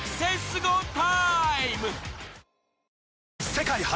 世界初！